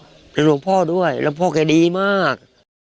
ปรับปรับเป็นหลวงพ่อด้วยหลวงพ่อแกดีมาก